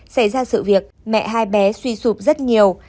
xảy ra sự việc mẹ hai bé suy sụp rất nhiều